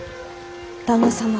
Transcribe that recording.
旦那様